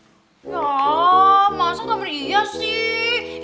ya masa temen iya sih